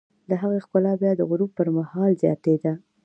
د هغې ښکلا بیا د غروب پر مهال زیاتېده.